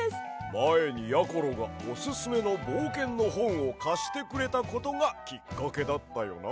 まえにやころがおすすめのぼうけんのほんをかしてくれたことがきっかけだったよな。